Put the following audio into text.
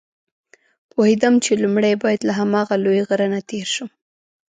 پوهېدم چې لومړی باید له هماغه لوی غره نه تېر شم.